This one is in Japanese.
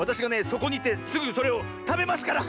そこにいてすぐそれをたべますから！